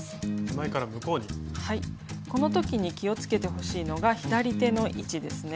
この時に気をつけてほしいのが左手の位置ですね。